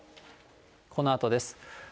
このあとです。